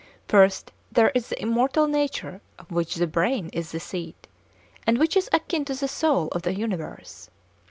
First, there is the immortal nature of which the brain is the seat, and which is akin to the soul of the universe.